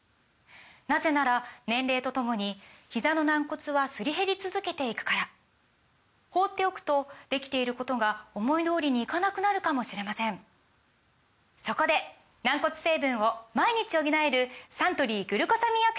なぜなら年齢とともにひざの軟骨はすり減り続けていくから放っておくとできていることが思い通りにいかなくなるかもしれませんそこで軟骨成分を毎日補えるサントリー「グルコサミンアクティブ」！